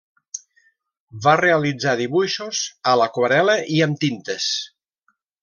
Va realitzar dibuixos a l'aquarel·la i amb tintes.